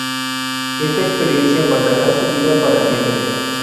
Esta experiencia marcara su vida para siempre.